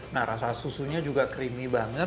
nah rasa susunya juga creamy banget